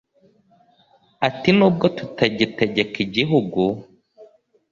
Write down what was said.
ati: “n’ubwo tutagitegeka igihugu,